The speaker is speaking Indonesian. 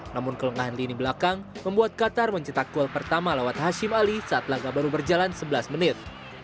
namun kelengahan lini belakang membuat qatar mencetak gol pertama lewat hashim ali saat laga baru berjalan sebelas menit